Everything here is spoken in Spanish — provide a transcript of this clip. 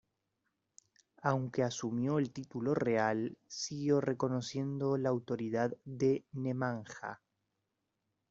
Aunque asumió el título real, siguió reconociendo la autoridad de Nemanja.